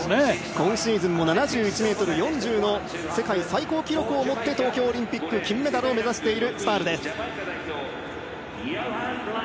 今シーズンも７１ｍ４０の世界最高記録を持って金メダルを目指しているダニエル・スタールです。